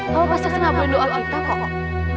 kamu pasti gak boleh doa kita kok